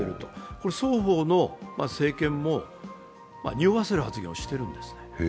これ双方の政権も、におわせる発言をしているんですね。